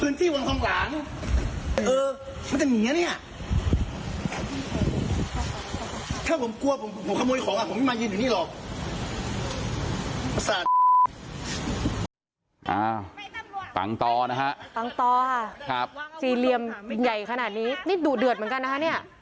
นี้เชื่อผมกลัวผมขโมยของมายินอยู่นี่หรอกสานต่างต่อนะฮะต่างต่อครับที่เรียมใหญ่ขนาดนี้นี่ดูเดือดเหมือนกันนะ